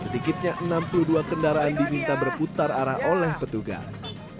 sedikitnya enam puluh dua kendaraan diminta berputar arah oleh petugas